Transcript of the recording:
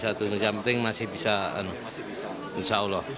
satu yang penting masih bisa insya allah